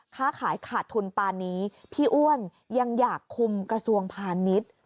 ค้าขายขาดทุนปานนี้พี่อ้วนยังอยากคุมกระทรวงพาณิชย์